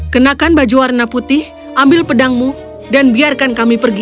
kenakan baju warna putih ambil pedangmu dan biarkan kami pergi